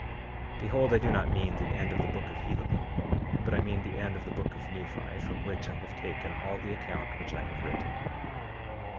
2:14 Behold I do not mean the end of the book of Helaman, but I mean the end of the book of Nephi, from which I have taken all the account which I have written.